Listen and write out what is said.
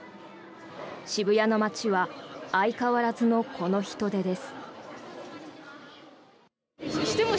渋谷の街は相変わらずのこの人出です。